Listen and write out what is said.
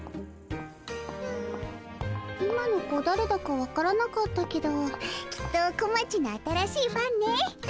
今の子だれだか分からなかったけどきっと小町の新しいファンね。